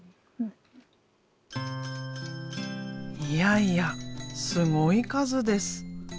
いやいやすごい数です。